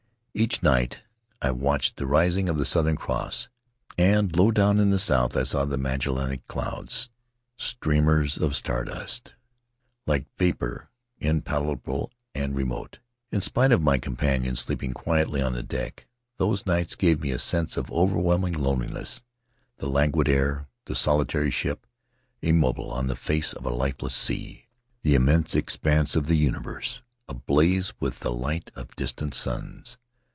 Each night I watched the rising of the Southern Cross, and low down in the south I saw the Magellanic clouds, streamers of star dust, like vapor impalpable and remote. In spite of my companions, sleeping quietly on deck, those nights gave me a sense of overwhelming loneli ness: the languid air; the solitary ship, immobile on the face of a lifeless sea; the immense expanse of the universe, ablaze with the light of distant suns.